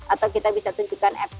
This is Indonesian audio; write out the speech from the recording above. atau kita bisa tunjukkan fp